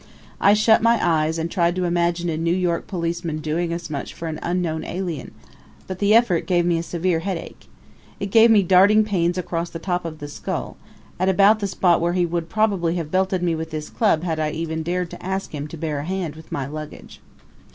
I shut my eyes and tried to imagine a New York policeman doing as much for an unknown alien; but the effort gave me a severe headache. It gave me darting pains across the top of the skull at about the spot where he would probably have belted me with his club had I even dared to ask him to bear a hand with my baggage.